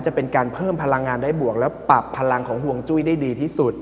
จะเป็นการเพิ่มพลังงานได้บวกและปรับพลังของห่วงจุ้ยได้ดีที่สุด